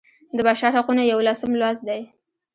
د بشر حقونه یوولسم لوست دی.